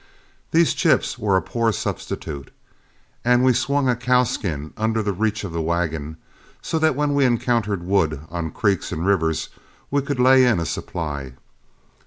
These chips were a poor substitute, and we swung a cowskin under the reach of the wagon, so that when we encountered wood on creeks and rivers we could lay in a supply.